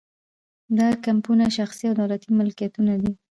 دا کیمپونه شخصي او دولتي ملکیتونه دي